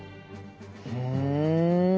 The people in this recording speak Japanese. ふん。